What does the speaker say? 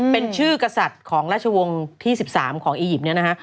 เป็นชื่อกษัตริย์ของราชวงศ์ที่๑๓ของอียิปต์เนี่ยนะฮะ